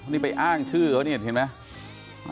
นี่ไปอ้างชื่อเขาเนี่ยเห็นไหม